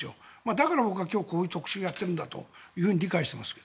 だから僕は今日、こういう特集をやってるんだと理解してますが。